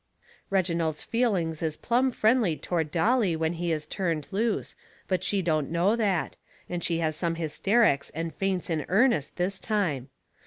Reginald's feelings is plumb friendly toward Dolly when he is turned loose, but she don't know that, and she has some hysterics and faints in earnest this time.